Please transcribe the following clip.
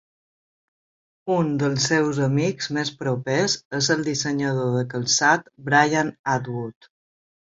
Un dels seus amics més propers és el dissenyador de calçat Brian Atwood.